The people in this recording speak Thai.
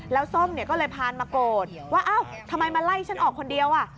แล้วส้มเนี่ยก็เลยพานมาโกรธว่าเอ้าทำไมมาไล่ฉันออกคนเดียวอ่ะ